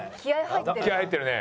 気合入ってるな。